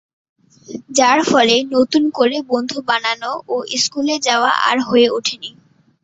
যার ফলে নতুন করে বন্ধু বানানো ও স্কুলে যাওয়া আর হয়ে ওঠে না।